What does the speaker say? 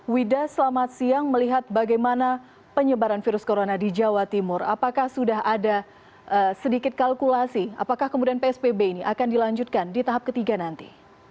wida selamat siang melihat bagaimana penyebaran virus corona di jawa timur apakah sudah ada sedikit kalkulasi apakah kemudian psbb ini akan dilanjutkan di tahap ketiga nanti